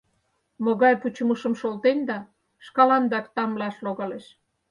Могай пучымышым шолтенда, шкаландак тамлаш логалеш.